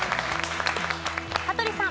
羽鳥さん。